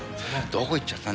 どこ行っちゃった？